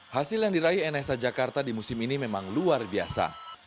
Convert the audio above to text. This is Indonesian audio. hasil yang diraih nsh jakarta di musim ini memang luar biasa